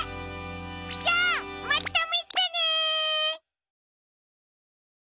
じゃあまたみてね！